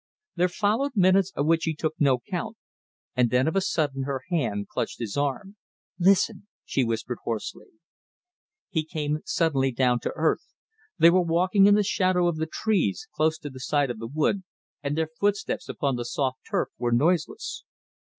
There followed minutes of which he took no count, and then of a sudden her hand clutched his arm. "Listen," she whispered hoarsely. He came suddenly down to earth. They were walking in the shadow of the trees, close to the side of the wood, and their footsteps upon the soft turf were noiseless.